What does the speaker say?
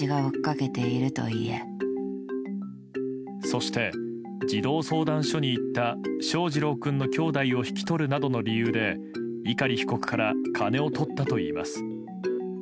そして、児童相談所に行った翔士郎君のきょうだいを引き取るなどの理由で碇被告から金を取ったといいます。